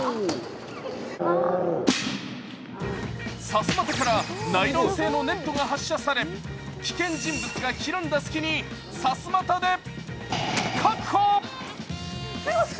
さすまたからナイロン製のネットが発射され危険人物がひるんだ隙にさすまたで確保。